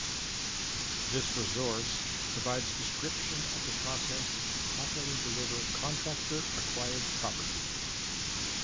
This resource provides description of the process to properly deliver Contractor Acquired Property.